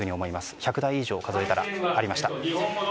１００台以上数えたらありました。